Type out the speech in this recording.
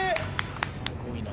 すごいな。